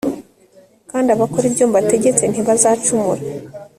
kandi abakora ibyo mbategetse, ntibazacumura